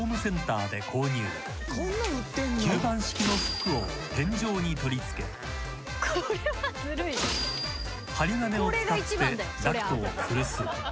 ［吸盤式のフックを天井に取り付け針金を使ってダクトをつるす］